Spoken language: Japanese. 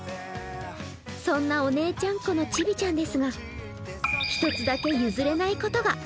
そんなお姉ちゃんっこのちびちゃんですが１つだけ譲れないことが。